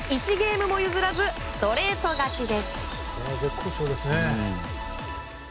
ゲームも譲らずストレート勝ちです。